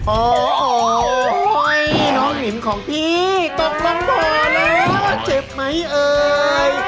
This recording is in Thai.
โอ้โหน้องหนิมของพี่ตกลำบ่อแล้วเจ็บไหมเอ่ย